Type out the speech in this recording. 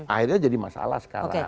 akhirnya jadi masalah sekarang